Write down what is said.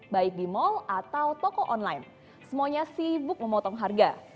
baik di mal atau toko online semuanya sibuk memotong harga